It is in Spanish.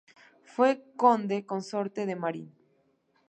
Fue conde consorte de Marín.